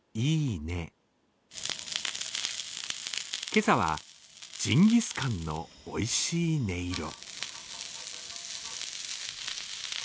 今朝はジンギスカンのおいしい音色。